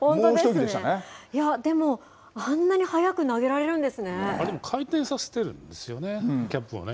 でも、あんなに速く投げられ回転させてるんですよね、キャップをね。